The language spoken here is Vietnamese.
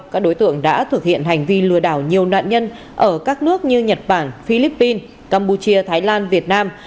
các đối tượng đã thực hiện hành vi lừa đảo nhiều nạn nhân ở các nước như nhật bản philippines campuchia thái lan việt nam